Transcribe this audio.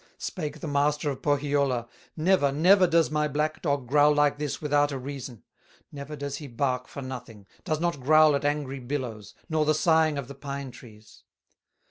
Spake the master of Pohyola: "Never, never does my black dog Growl like this without a reason; Never does he bark for nothing, Does not growl at angry billows, Nor the sighing of the pine trees."